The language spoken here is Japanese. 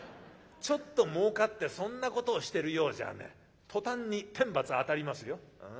ちょっともうかってそんなことをしてるようじゃね途端に天罰当たりますよ。